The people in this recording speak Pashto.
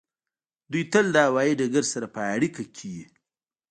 دوی تل د هوایی ډګر سره په اړیکه کې وي